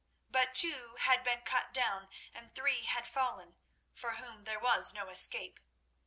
But two had been cut down, and three had fallen, for whom there was no escape.